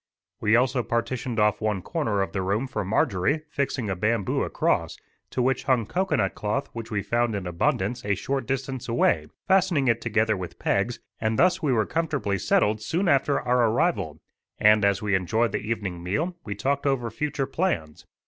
We also partitioned off one corner of the room for Marjorie, fixing a bamboo across, to which hung cocoanut cloth which we found in abundance a short distance away, fastening it together with pegs, and thus we were comfortably settled soon after our arrival; and, as we enjoyed the evening meal, we talked over future plans.